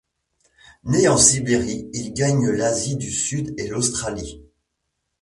Né en Sibérie, il gagne l'Asie du Sud et l'Australie.